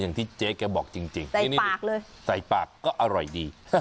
อย่างที่เจ๊แกบอกจริงจริงใส่ปากเลยใส่ปากก็อร่อยดี